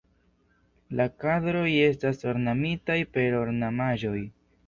La kadroj estas ornamitaj per ornamaĵoj.